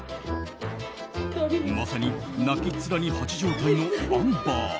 まさに泣きっ面に蜂状態のアンバー。